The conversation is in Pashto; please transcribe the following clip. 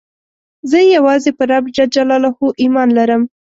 زه یوازي په رب ﷻ ایمان لرم.